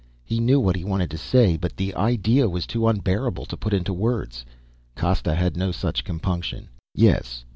He knew what he wanted to say, but the idea was too unbearable to put into words. Costa had no such compunction. "Yes.